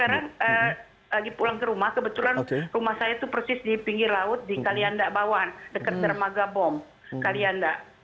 sekarang lagi pulang ke rumah kebetulan rumah saya itu persis di pinggir laut di kalianda bawan dekat dermaga bom kalianda